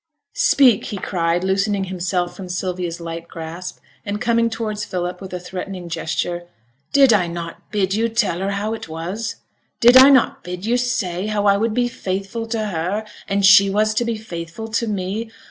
'Speak!' he cried, loosening himself from Sylvia's light grasp, and coming towards Philip, with a threatening gesture. 'Did I not bid you tell her how it was? Did I not bid you say how I would be faithful to her, and she was to be faithful to me?